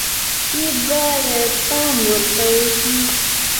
چې باید پام ورته شي